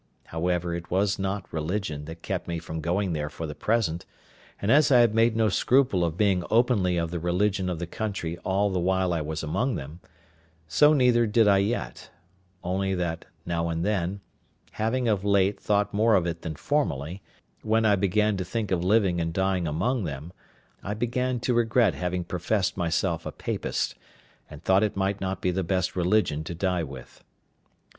However, it was not religion that kept me from going there for the present; and as I had made no scruple of being openly of the religion of the country all the while I was among them, so neither did I yet; only that, now and then, having of late thought more of it than formerly, when I began to think of living and dying among them, I began to regret having professed myself a Papist, and thought it might not be the best religion to die with.